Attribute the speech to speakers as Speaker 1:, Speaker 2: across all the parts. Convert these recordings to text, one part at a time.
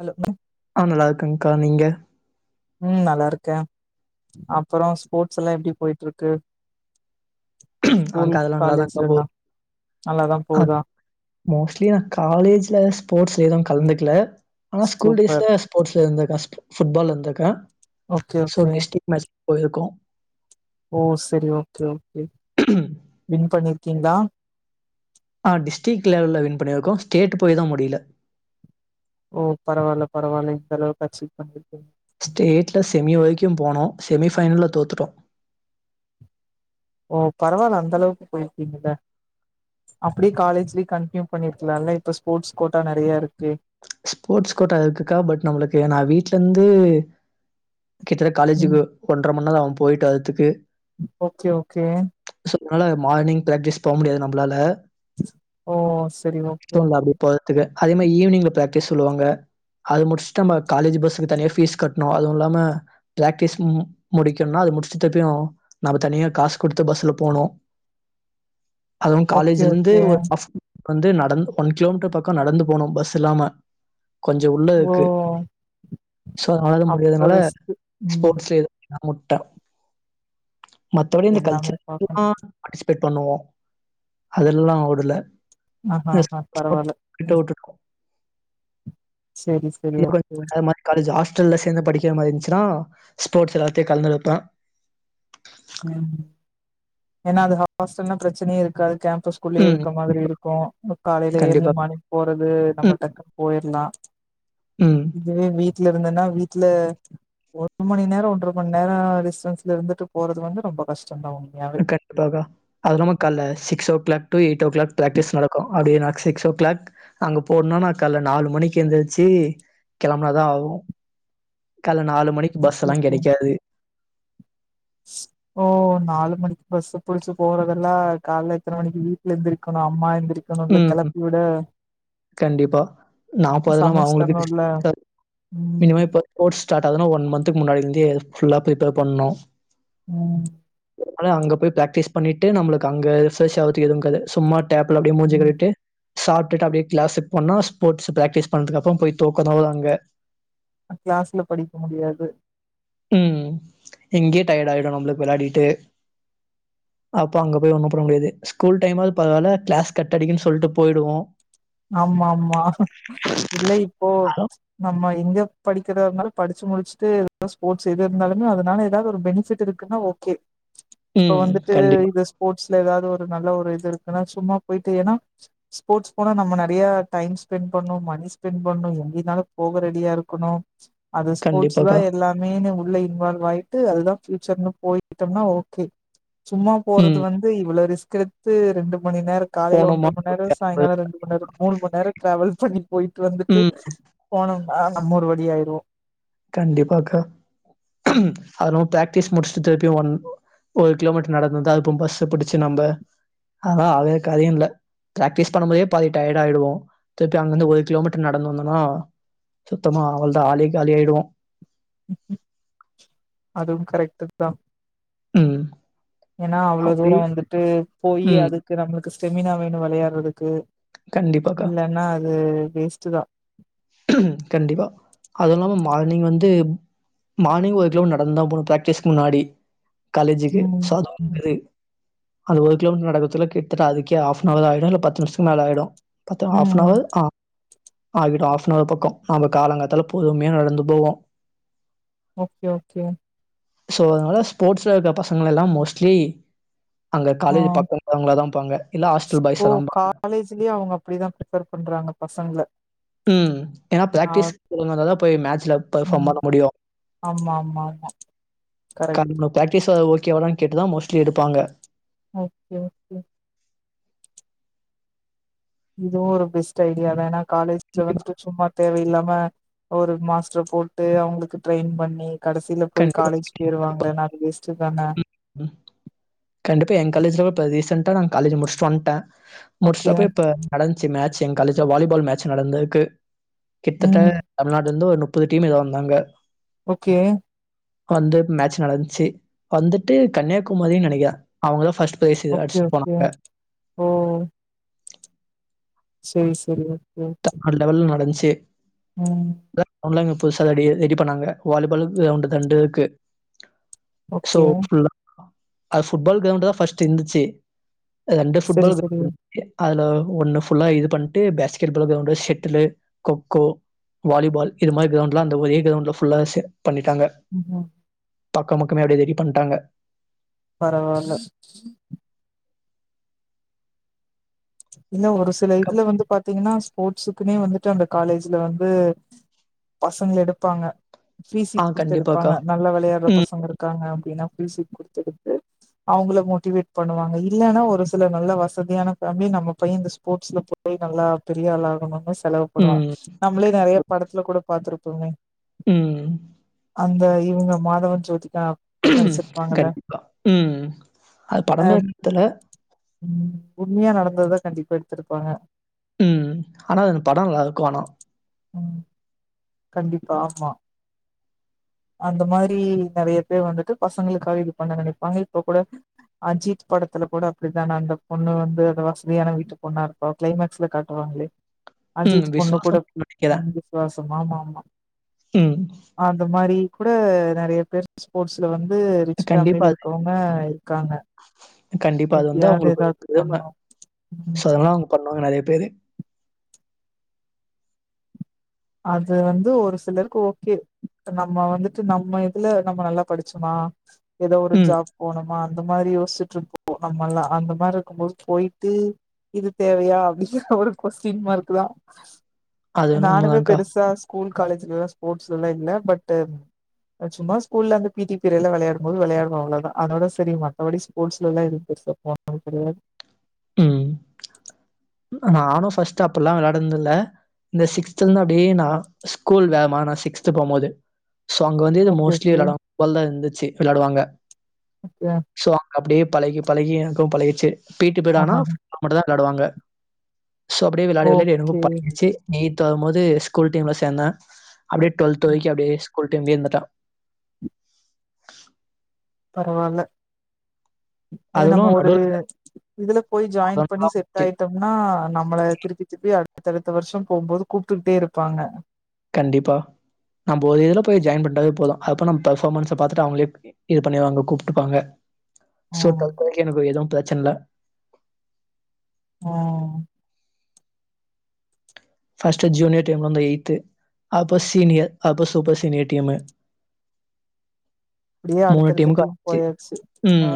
Speaker 1: Hello
Speaker 2: ஆ நல்லா இருக்கேங்க்கா நீங்க
Speaker 1: ம் நல்லாருக்கே அப்பறோ ஸ்போர்ட்ஸ் எல்லா எப்டி போயிட்ருக்கு
Speaker 2: ம் அங்க அதெலா நல்லாதாங்க்கா போகுது
Speaker 1: நல்லாதா
Speaker 2: அ
Speaker 1: போதா
Speaker 2: மோஸ்ட்லி நா காலேஜ்ல ஸ்போர்ட்ஸ் எது கலந்துக்ல ஆனா ஸ்கூல்
Speaker 1: சூப்பர்
Speaker 2: டேஸ்ல ஸ்போட்ஸ் இருந்த கஷ் ஃபுட்பால்ல இருந்தக்க
Speaker 1: ஓகே ஓகே
Speaker 2: போயிர்க்கோ
Speaker 1: ஓ செரி ஓகே ஓகே வின் பண்ணி கிங்ளா
Speaker 2: ஆ டிஸ்டிக் லெவல்ல வின் பண்ணிருக்கோ ஸ்டேட்டு போய் தா முடில
Speaker 1: ஓ பரவால்ல பரவால்ல இந்தளவுக்கு அச்சிவ் [inaudible]
Speaker 2: ஸ்டேட்ல செமி வரைக் க்கு போனோ செமி ஃபைனல்ல தோத்துட்டோ
Speaker 1: ஓ பரவால்ல அந்த அளவுக்கு போய்ர்க்கீங்கல்ல அப்டியே காலேஜ்லே கன்ட்னியு பண்ணிர்க்கலால்ல இப்ப ஸ்போர்ட்ஸ் கோட்டா நறையா இருக்கு
Speaker 2: ஸ்போர்ட்ஸ் கோட்டா இருக்குக்கா பட் நம்பளுக்கு நா வீட்லந்து கிட்டதட்ட
Speaker 1: ம்
Speaker 2: காலேஜுக்கு ஒன்றமண் நேரோ ஆவு போய்ட்டு வர்துக்கு
Speaker 1: ஓகே ஓகே
Speaker 2: இத்தன்னால மார்னிங் ப்ராக்டிஸ் போ முடியாது நம்பளால
Speaker 1: ஓ செரி ஓகே ஓகே
Speaker 2: அதேமாய் ஈவினிங்ல பிராக் டிஸ் சொல்லுவாங்க அத முடிஸ்ட் நம்ம காலேஜ் பஸ்க்கு தனியா ஃபீஸ் கட்ணு அதுவு இல்லாம பிராக்டிஸ் மு முடிக்கணுன்னா அது முடிஸ்ட்டு திர்ப்பியூ நாப தனியா காஸ் குடுத்து பஸ்ல போனு அதுவு
Speaker 1: ஓகே
Speaker 2: காலேஜுல இருந்து
Speaker 1: ஓகே
Speaker 2: ஒரு அஃப் வந்து நடந்து ஒன் கிலோமீட்டர் பக்கோ நடந்து போனு பஸ் இல்லாம கொஞ்சோ உள்ள
Speaker 1: ஓ
Speaker 2: இருக்கு சோ அதனால அது
Speaker 1: அப்போ
Speaker 2: முடியாதனால
Speaker 1: ரிஸ்க் ம்
Speaker 2: ஸ்போர்ட்ஸ்ல எது நா முட்ட மத்தபடி இந்த கல்ச்சு
Speaker 1: எல்லாமே பாக்கணு
Speaker 2: ஆ [inaudible] பே பண்ணுவோ அதெல்லா ஒடுல
Speaker 1: ஆ ஆ ஆ பரவால்ல ம்
Speaker 2: இதுமாரி
Speaker 1: ஓகே
Speaker 2: அதுமாரி காலேஜு ஆஸ் டல்ல சேந்து படிக்கிற மாரி இருந்ச்சுன்னா ஸ்போர்ட்ஸ் எல்லாத்தியு கலந்துருப்ப
Speaker 1: ம் ஏனா அது ஹாஸ்டல்னா பிரச்சனையே இருக்காது கேம் பஸ் குள்ளயே
Speaker 2: ம்.
Speaker 1: இருக்க மாதிரி இருக்கு காலேல ஏர்லி
Speaker 2: கண்டிப்பா.
Speaker 1: மார்னிங் போறது நம்ம
Speaker 2: ம்,
Speaker 1: டக்குன் போயர்லா
Speaker 2: ம்.
Speaker 1: இதுவே வீ ட்ல இருந்தனா வீட்ல ஒரு மணி நேரோ ஒன்ற மண் நேரோ டிஸ்டன்ஸ்ல இருந்துட்டு போறது வந்து ரொம்ப கஷ்
Speaker 2: அன் கண்ப் பாகா அது நாமோ கால்ல சிக்ஸோ clock to eight o' clock practice நடக்கு அப்டியே நா சிக்ஸோ க்ளாக் அங்க போனுனா கால்ல நாலு மணிக்கு எந்திருச்சி கெளம்னாதா ஆகும் காலேல நாலு மணிக்கு
Speaker 1: ஓகே
Speaker 2: பஸ்ஸலா
Speaker 1: ஓகே
Speaker 2: கெடைக்காது
Speaker 1: ஓ நாலு மணிக்கு பஸ்ஸ புடிச்சு போறதெல்லா கால்ல இத்தன மணிக்கு வீட்ல எந்திரிக்கணு அம்மா எந்திரி
Speaker 2: உம் கண்டிப்பா நா போறது இல்லாம
Speaker 1: சமச்சு
Speaker 2: அவுங்குளுக்கு
Speaker 1: தரணுல்ல
Speaker 2: டிஸ்டபன்ஸா இருக்கு
Speaker 1: ம்
Speaker 2: இனிமே ஸ்போர்ட்ஸ் ஸ்டார்ட் ஆகுதுனா ஒன் மந்த்க்கு முன்னாடி இருந்தே ஃபுல்லா ப்ரிப்பேர் பண்ணணு
Speaker 1: ம்
Speaker 2: ஆனா அங்க போய் பிராக்டிஸ் பண்ணிட்டு நம்முளுக்கு அங்க ரிசர்ச் ஆகுறதுக்கு எதுவு இருக்காது சும்மா டேப்ல அப்டியே மூஞ்சிய
Speaker 1: ம்
Speaker 2: கழுவிட்டு சாப்டுட்டு அப்டியே கிளாஸுக்கு போனனா ஸ்போர்ட்ஸ் பிராக்டிஸ் பண்றதுக்கு அப்றோ போய் தூக்கதா வரும் அங்க
Speaker 1: கிளாஸ்ல படிக்க முடியாது
Speaker 2: உம் இங்கயே டயர்ட் ஆயிடும் நம்புளுக்கு விளையாடிட்டு அப்போ அங்க போய் ஒண்ணும் பண்ண முடியாது ஸ்கூல் டைம்மாவது பரவால்ல கிளாஸ் கட்டடிக்கனுன் சொல்ட்டு போய்டுவோம்
Speaker 1: ஆமா ஆமா இல்லை இப்போ
Speaker 2: ஹலோ
Speaker 1: நம்ப இங்க படிக்கிறதுனால படிச்சு முடிச்சுட்டு ஸ்போர்ட்ஸ் [inaudible] எது இருந்தாலுமே அதுனால ஏதாவது ஒரு பெனிஃபிட் இருக்குனா ஓகே இப்ப
Speaker 2: ம்
Speaker 1: வந்துட்டு
Speaker 2: கண்டிப்பா
Speaker 1: இது ஸ்போர்ட்ஸ்ல எதாவது ஒரு நல்ல ஒரு இது இருக்குனா சும்மா போயிட்டு ஏனா ஸ்போர்ட்ஸ் போனா நம்ம நெறையா டைம் ஸ்பெண்ட் பண்ணும் மணி ஸ்பெண்ட் பண்ணும் எங்கே இருந்தாலும் போக ரெடியா இருக்கணும் அது ஸ்போர்ட்ஸ் தா
Speaker 2: கண்டிப்பாக்கா
Speaker 1: எல்லாமேனு உள்ள இன்வால்வ் வாயிட்டு அது தான் ஃபியூச்சர்னு போயிட்டோம்னா ஓகே சும்மா போறது
Speaker 2: ம்
Speaker 1: வந்து இவ்ளோ ரிஸ்க் எடுத்து ரெண்டு மணி நேரோ காலேல
Speaker 2: போனோமா
Speaker 1: ஒன்ற மணி நேரோ சாங்காலம் ரெண்டு நேரம் மூணு மணி நேரோ டிராவல் பண்ணி போயிட்டு வந்துட்டு
Speaker 2: ம்
Speaker 1: போன னா நம்ம ஒரு வழி ஆயிருவோ
Speaker 2: கண்டிப்பாக்கா அது இல்லாம பிராக் டிஸ் முடிச்சுட்டு திருப்பியும் ஒன் ஒரு கிலோமீட்டர் நடந்து தா அப்றோ பஸ்ஸ புடிச்சு நம்ப அதா அது காரியம் இல்ல பிராக்டிஸ் பண்ணும் போதே பாதி டயர்ட் ஆயிடுவோ திருப்பி அங்கிருந்து ஒரு கிலோமீட்டர் நடந்து வந்தன்னா சுத்தமா அவ்ளோ தா ஆலே காலி ஆயிடுவோ
Speaker 1: அதுவும் கரெக்ட்டு தா
Speaker 2: உம்
Speaker 1: ஏனா அவ்ளோ தூரோ வந்துட்டு போயி
Speaker 2: ம்
Speaker 1: அதுக்கு நம்புளுக்கு ஸ்டெமினா வேணு விளையாடுறதுக்கு
Speaker 2: கண்டிப்பாக்கா
Speaker 1: இல்லனா அது வேஸ்ட்டு தான்
Speaker 2: கண்டிப்பா அதுவும் இல்லாம மார்னிங் வந்து மார்னிங் ஒரு கிலோ மீட்டர் நடந்து தா போனு பிராக்டிஸ்கு முன்னாடி காலேஜிக்கு
Speaker 1: ம்
Speaker 2: சவ்த் [inaudible] அது ஒரு கிலோ மீட்டர் நடக்கர்த்துக்குல்ல கிட்டத்தட்ட அதுக்கே ஆஃப்னவர் ஆயிடும் இல்ல பத்து நிமிசத்துக்கு மேல ஆயிடும் பத்து ஆஃபன்
Speaker 1: ம்
Speaker 2: அவர்‌ ஆ அங்குட்டு ஆஃப் இன்னொரு பக்கோ நாங்க காலங்காத்தால பொறுமயா நடந்து போவோ
Speaker 1: ஓகே ஓகே
Speaker 2: சோ அதனால ஸ்போர்ட்ஸ்ல இருக்க பசங்கலெலா மோஸ்ட்லி அங்க
Speaker 1: ஆ
Speaker 2: காலேஜ் பக்கோ அவுங்களாதாம்பாங்க இல்ல ஹாஸ்டல்
Speaker 1: ஓ
Speaker 2: பாய்ஸ்ஸதாம்பாங்க
Speaker 1: காலேஜ்லயே அவங்க அப்டிதா ப்ரிஃபர் பண்றாங்க பசங்கள
Speaker 2: ம் ஏனா
Speaker 1: ஆ
Speaker 2: பிராக்டிஸ்க்கு போனாதா போய் மேட்ச்ல பர்ஃபாம்
Speaker 1: ம்
Speaker 2: பண்ண முடியு
Speaker 1: ஆமா ஆமா ஆமா கரெக்ட்
Speaker 2: காரண பிராக்டிஸ் ஓகே வானு கேட்டுதா மோஸ்ட்லி எடுப்பாங்க
Speaker 1: ஓகே ஓகே இதுவு ஒரு பெஸ்ட் ஐடியாதானா காலேஜ்ல
Speaker 2: கண்டிப்பா,
Speaker 1: வந்ட்டு சும்மா தேவையில்லாம ஒரு மாஸ்டர போட்டு அவங்களுக்கு ட்ரெயின் பண்ணி கடசில போய் காலேஜ் பேர்
Speaker 2: கண்டிப்பா
Speaker 1: வாங்கலெனா அது வேஸ்ட் தான
Speaker 2: கண்டிப்பா எங் காலேஜ்லல இப்ப ரீசென்ட்டா நா காலேஜு முடிச்ட்டு வன்ட்ட
Speaker 1: ஓகே.
Speaker 2: மோஸ்டாப்பு இப்ப நட ந்ச்சு மேட்சு எங்க காலேஜ்ல வாலிபால் மேட்ச் நடந்திருக்கு கிட்டத்தட்ட
Speaker 1: ம்.
Speaker 2: தமிழ்நாடுலருந்து ஒரு புது டீம் எதா வந்தாங்க
Speaker 1: ஓகே
Speaker 2: வந்து மேட்ச் நடந்துச்சு வந்துட்டு கன்னியாகுமரினு நெனக்கறே அவங்க ஃபர்ஸ்ட் பிரைஸ்
Speaker 1: ஓகே
Speaker 2: அடிச்சுட்டு
Speaker 1: ஓகே
Speaker 2: போனாங்க.
Speaker 1: ஓ செரி செரி
Speaker 2: அந்த லெவல் நடந்துச்சு
Speaker 1: ம்.
Speaker 2: கே [unintelligible] புதுசா ரெடி ரெடிபண்ணாங்க வாலிபாலுக்கு கிரவுண்ட் ரெண்டு இருக்கு சோ
Speaker 1: ஓகே.
Speaker 2: ஃபுல்லா அது ஃபுட்பால் கிரௌண்டு தான் ஃபர்ஸ்ட் இருந்துச்சு ரெண்டு ஃபுட்
Speaker 1: சரி,
Speaker 2: பால்
Speaker 1: சரி.
Speaker 2: கிரௌண்ட் இருந்துச்சு அதுல ஒண்ணு ஃபுல்லா இது பண்ணிட்டு பேட் கிரிக்கெட் கிரௌண்டு செட்டுலே கொக்கோ வாலிபால் இது மாதிரி கிரௌண்ட்லாம் அந்த ஒரே கிரௌண்ட்ல ஃபுல்லா பண்ணிட்டாங்க
Speaker 1: ம்ஹ்ம்.
Speaker 2: பக்கம் பக்கமே அப்படியே ரெடி பண்ணிட்டாங்க
Speaker 1: பரவால்ல இல்ல ஒரு சில
Speaker 2: கப்
Speaker 1: இதுல வந்து பாத் தீங்னா ஸ்போர்ட்ஸுக்குமே வந்துட்டு அந்த காலேஜ்ல வந்து பசங்க எடுப்பாங்க ஃப்ரி
Speaker 2: ஆ
Speaker 1: சீட் குடுத்து எடுப்பாங்க
Speaker 2: கண்டிப்பாக்கா.
Speaker 1: நல்லா விளையாடுற
Speaker 2: ம்,
Speaker 1: பசங்க இருக்காங்க அப்டின்னா [unintelligible] அவங்கள மோட்டிவேட் பண்ணுவாங்க இல்லன்னா ஒரு சில நல்ல வசதியான ஃபேமிலி நம்ம பைய இந்த ஸ்போர்ட்ஸில போயி நல்லா பெரியாளாகணுனு செலவு பண்ணுவாங்
Speaker 2: ம்,
Speaker 1: நம்மளே நெறய படத்துல கூட பார்த்திருப்போமே
Speaker 2: ம்.
Speaker 1: அந்த இவங்க மாதவன் ஜோதிக்கா
Speaker 2: கண்டிப்பா ம் அது
Speaker 1: அ
Speaker 2: படமா எடுத்தல்ல
Speaker 1: ம் உண்மையா நடந்ததுதா கண்டிப்பா எடுத்திருப்பாங்க
Speaker 2: உம் ஆனா அதுல படொ நல்லா இருக்கு ஆனா
Speaker 1: உம் கண்டிப்பா ஆமா அந்த மாரி நெறய பேர் வந்துட்டு பசங்களுக்காக இது பண்ண நெனைப்பாங்க இப்ப கூட அஜித் படத்துல கூட அப்டித்தான அந்த பொண்ணு வந் து வசதியான வீட்டு பொண்ணா இருப்பா கிளைமக்ஸ்ல காட்டுவாங்களே
Speaker 2: ம்.
Speaker 1: அஜித் பொண்ணு கூட
Speaker 2: விஸ்வாசம் நெனைக்கிறேன்.
Speaker 1: விசுவாஸ் தோ மாமாமா
Speaker 2: ம்.
Speaker 1: அந்த மாரி கூட நெறைய பேர் ஸ்போர்ட்ஸ்ல வந் து ரிச்
Speaker 2: கண்டிப்பா
Speaker 1: ஃபேமிலில
Speaker 2: அது
Speaker 1: இருக்கோவ்ங்க இருக்காங்க
Speaker 2: கண்டிப்பா அது வந்து
Speaker 1: எப்டியாவது
Speaker 2: அவங்களுக்கு ஒரு
Speaker 1: ஏதாவது
Speaker 2: பெரும
Speaker 1: பண்ணு ம்
Speaker 2: சோ அதனால அவங்க பண்ணுவாங்க நெறைய பேரெ
Speaker 1: அது வந்து ஒரு சிலருக்கு ஓகே நம்ம வந்துட்டு நம்ம இதுல நம்ம நல்லா படிச்சோமா ஏதோ ஒரு
Speaker 2: ம்.
Speaker 1: ஜாப் போணுமா அந்த மாரி யோச்சிட்டு இருப்போ நம்மல்லா அந்த மாரி இருக்கும்போது போயிட்டு இது தேவையா அப்டிங்கிற ஒரு கொஸ்டின் மார்க்தா
Speaker 2: அது என்னமோ உண்மதான்
Speaker 1: பெருசா ஸ்கூல் காலேஜ்க்லலா ஸ்போர்ட்ஸ்லல்லா இல்ல பட்டு சும்மா ஸ்கூல்ல அந்த பீ டி பீரியடுல வெளையாடும் போது வெளையாடுறோல அதா அதனால சரி மத்தபடி ஸ்போர்ட்ஸ்லலா எதுவு பெருசா போனது கெடையாது
Speaker 2: உம் நானும் ஃபர்ஸ்ட் அப்டில்லா வெளாடினது இல்ல இந்த சிக்ஸ்த்லந்து அப்டியே நா ஸ்கூல் வேகமா நா சிக்ஸ்த் போம்போது சோ அங்க வந்து
Speaker 1: ஓகே
Speaker 2: மோஸ்ட்லி
Speaker 1: ஓகே
Speaker 2: விளையாடுவாங்க வல்ல இருந்துச்சு வெளையாடுவாங்க
Speaker 1: ஓகே
Speaker 2: சோ அங்க அப்டியே பழகி பழகி எனக்கு பழகிச்சு பி டி பிரியடானா
Speaker 1: ஆஹா
Speaker 2: நா மட்டுதா வெளாடுவாங்க சோ அப்டியே வெளயாடி வெளயாடி
Speaker 1: ஓகே
Speaker 2: எனக்கும் பழகிச்சு நீ தரும் போது ஸ்கூல் டீம்ல சேந்தே அப்டியே ட்வெல்த் வரைக்கு அப்டியே கூல் டைம்லே இருந்துட்ட
Speaker 1: பரவால்ல அது நம்ம
Speaker 2: அதுலும்
Speaker 1: ஒரு
Speaker 2: நடுவுல
Speaker 1: இதுல போய் ஜாயின் பண்ணி செட் ஆயிட்டோம்னா நம்மள திருப்பி திருப்பி அ அடுத்தடுத்த வர்ஷம் போம்போது கூப்ட்டுக்ட்டே இருப்பாங்க
Speaker 2: கண்டிப்பா நம்ப ஒ இதுல போய் ஜாயின் பண்டாவே போது அப்ப நம் பர்ஃபாமன்ஸ பாத்துட்டு அவுங்களே இது பண்ணிவாங்க கூப்ட்டுப்பாங்க சோ
Speaker 1: ம்
Speaker 2: [inaudible] எனக்கு எதவு ப ச்சன்ல
Speaker 1: ம்
Speaker 2: பர்ஸ்ட் ஜூனியர் டீம்லந்து எயித்து அப்போ சீனியர் அப்போ சூப்பர் சீனியர் டீமு
Speaker 1: அப்டியே அடுத்தடுத்து டீம் போயாச்சு ஆ
Speaker 2: ம்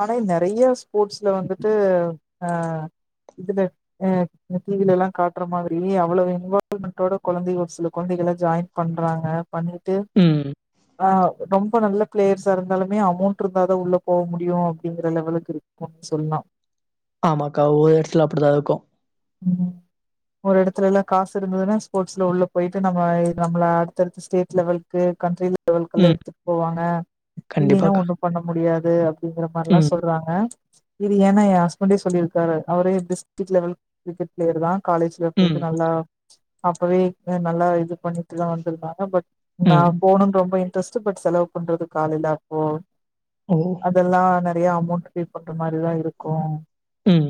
Speaker 1: ஆனா நெறைய ஸ்போட்ஸ்ல வந்துட்டு அ இதுல அ டி வி ல எல்லா காட்ற மாதிரி அவ்ளவு இன்வால்வ்மெண்டோட கொழந்தைக ஒரு சில கொழந்தைகள்லா ஜாயின் பண்றாங்க பண்ணிட்டு
Speaker 2: ம்
Speaker 1: ஆ ரொம்ப நல்ல பிளேயர்ஷா இருந்தாலுமே அமௌண்ட் இருந்தாதா உள்ள போவ் மு டியு அப்டிங்கிற லெவலுக்கு இருக்குன் சொன்னா
Speaker 2: ஆமாக்கா ஒவ்வொ எடத்துல அப்டிதா இருக்கு
Speaker 1: உம் ஒரு எடத்துல எல்லா காசு இருந்ததுன்னா ஸ்போட்ஸ்ல உள்ள போயிட்டு நம்ம நம்மல அடுத்தடுத்த ஸ்டேட் லெவல்க்கு கண்ட்ரி லெவல்க்கெல்லா
Speaker 2: ம்
Speaker 1: எடுத்துட் போவாங்க இல்லீனா
Speaker 2: கண்டிப்பாக்கா
Speaker 1: ஒண்ணு பண்ண முடியா து அ ப்டிங்கற மாரில்லா
Speaker 2: ம்
Speaker 1: சொல்றாங்க இது ஏனா எ அஸ்பண்டே சொல்லிருக்காரு அவரே டிஸ்ட்க் லெவல் கிரிக்கெட் பிளேயர் தா காலேஜ்ல போயிட்டு
Speaker 2: ம்
Speaker 1: நல்லா அப்பவே இன்னு நல்லா இது பண்ணிட்டுதா வந்திருக்காங்க பட் நா
Speaker 2: ம்
Speaker 1: போணுன் ரொம்ப இ டெஸ்ட பட் செலவ் பண்றதுக்கு ஆள் இல்ல அப்போ
Speaker 2: ஓ
Speaker 1: அதெல்லா றைய அமௌண்ட் பே பண்ற மாரிதா இருக்கு
Speaker 2: ம்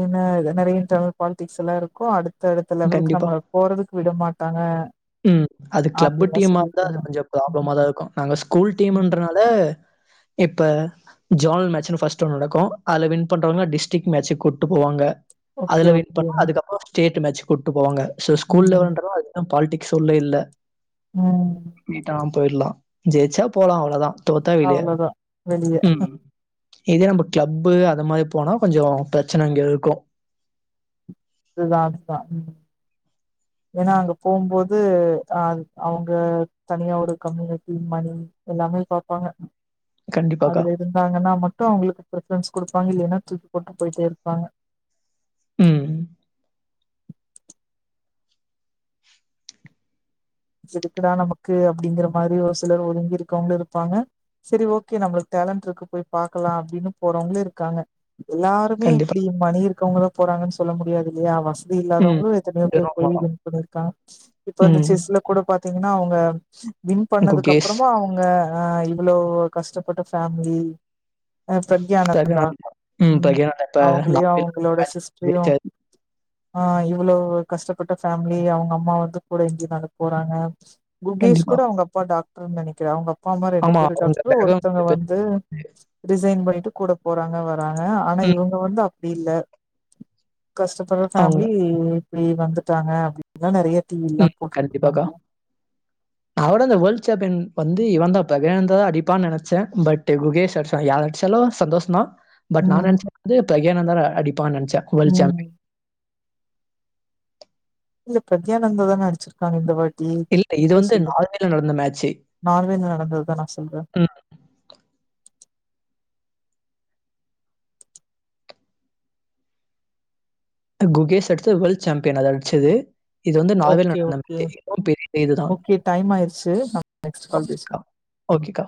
Speaker 1: ஏன்ன நெறைய இன்டர்னல் பாலிடிக்ஸ் எல்லா இருக்கு அடு த்தடுத்த லெவலுக்கு நம்மல போறதுக் விட மாட்டாங்க
Speaker 2: உம் அது கிளப்பு
Speaker 1: அப்படின்லாம்
Speaker 2: டீமாருந்தா அது
Speaker 1: சொல்லியிருக்காங்க.
Speaker 2: கொஞ்சோ
Speaker 1: ம்.
Speaker 2: ப்ராப்ளமா தா இருக்கு நாங்க ஸ்கூல்
Speaker 1: ம்.
Speaker 2: டீம்ன்றனால இப்ப ஜோனல் மேச்சுனு ஃபஸ்ட் ஒன் நடக்கு அதல வின் பண்றவங்க டிஸ்டிக் மேச்சுக் கூட்டு போவாங்க
Speaker 1: ஓகே,
Speaker 2: அதல வின்
Speaker 1: ஓகே.
Speaker 2: பண்ணா அதுக்கப்புறோ ஸ்டேட் டு மேட்ச் கூட்டு போவாங்க சோ ஸ்கூல்
Speaker 1: ம்.
Speaker 2: லெவலன்றால அ பால்டிக் சொல்ல இல்ல
Speaker 1: ம்.
Speaker 2: ஈட்டாம் போயிரலாம் ஜெயிச்சா போலாம் அவ அதா தோத்தா வெளிய
Speaker 1: அவ்வளோதான். வெளிய.
Speaker 2: உம் இதே நம்ம கிளப்பு அந்த மாரி போனா கொஞ்ச பிரச்சனை இங்க இருக்கு
Speaker 1: ரிலாக்ஸ்டா ஏன்னா அங்க போம்போது அ அவுங்க தனியா ஒரு கம்யூனிட்டி மணி எல்லாமே பாப்பாங்க
Speaker 2: கண்டிப்பாக்கா
Speaker 1: அதுல இருந்தாங்கன்னா மட்டு அவுங்களுக்கு ப்ரிஃபரன்ஸ் குடுப்பாங்க இல்லைனா தூக்கி போட்டு போய்ட்டே இருப்பாங்க
Speaker 2: ம்
Speaker 1: எதுக்குடா நமக்கு அப்டிங்கிற மாரி ஒரு சிலர் ஒதுங்கி இருக்கறவுங்களு இருப்பாங்க செரி ஓகே நம்மளுக்கு டேலண்ட்ருக்கு போய் பாக்கலா அப்டின்னு போறவுங்களு இருக்காங்க எல்லாருமே
Speaker 2: கண்டிப்பா
Speaker 1: இப்டி மணி இர் க்கவுங்கதா போறாங்கன் சொல்ல முடியாதில்லையா வச தி
Speaker 2: ம்
Speaker 1: இல்லாதவங்களு எத்தனையோ பேர் போயி வின் பண்ணிருக்காங் இப்ப அந்த
Speaker 2: ம்
Speaker 1: ச்செஸ்ல த்தீங்கன்னா அவுங்க வின்
Speaker 2: குக்கீஸ்
Speaker 1: பண்ணதுக்கப்பறமு அவுங்க ஆ இவ்வளோ கஷ்டப்பட்ட ஃபேமிலி அ ப்ரக்யானந்தா ம்
Speaker 2: பிரகானந்தா இப்ப
Speaker 1: அவுங்களையு
Speaker 2: நார்வேல
Speaker 1: அவுங்களோட
Speaker 2: மேட்ச்
Speaker 1: சிஸ்ட்ரையு
Speaker 2: ஜெயிச்சாரு
Speaker 1: ஆ இவ்ளோவு கஷ்டப்பட்ட ஃபேமிலி அவுங்கம்மா வந்து கூட எங்கியு நட போராங்க குகேஷ்
Speaker 2: கண்டிப்பா
Speaker 1: கூட அவுங்கப்பா டாக் டர்னு நெனைக்கிற அவுங்கப் அப்பாமா ரெண்டு
Speaker 2: ஆமா
Speaker 1: பேரு
Speaker 2: அவங்க
Speaker 1: டாக்ட்ரு ஒருத்தங்க
Speaker 2: பேக்ரவுண்ட்
Speaker 1: வந்து ரிசைன் பண்ணிட்டு கூட போறாங்க வர்றா றாங்க ஆனா
Speaker 2: ம்
Speaker 1: இவங்க வந்து அப் டியில்ல கஷ்டப்படற
Speaker 2: அவங்க
Speaker 1: ஃபேமிலி இப்டி வந்துட்டாங்க அப் [inaudible] நறைய டி வி ல்லா போட்
Speaker 2: டிப்பாக்கா நவட அந்த வேல் ச்சாப்யன் வந்து இவந்தா [unintelligible] வந்து இவந்தா ப்ரக்யானந்தா தா அடிப்பா நெனச்ச பட் குகேஷ் அட்ஷா யார் அட்ச்சாலு சந்தோஷந்தா பட் நா
Speaker 1: ம்
Speaker 2: நெனச்சது வந்து ப்ரக்யானந்தா த அடிப் ப்பா நெனச்ச வோல்டு ச்சாம்
Speaker 1: ம் இல்ல ப்ரத்யானந்தா தான அடிச்சிருக்காங்க இந்த வேல்டு ட்டி
Speaker 2: இல்ல இது வந்து
Speaker 1: குக்கேஷில்ல
Speaker 2: நார்வேல நடந்த மேட்ச்சு.
Speaker 1: நார்வேல நடந்ததுதா நா சொல்ற
Speaker 2: ம். குகேஷ் அடுத்த வேர்ல்ட் சாம்பியன் அது அட்ச்சது இது வந்து நார்வேல
Speaker 1: ஓகே
Speaker 2: நடந்த
Speaker 1: ஓகே
Speaker 2: [inaudible] இதுவு பெரிய இதுதா
Speaker 1: ஓகே டைம் ஆயிருச்சு நம்ம நெக்ஸ்ட் கால் பேசுவோ ம்
Speaker 2: ஓகே கா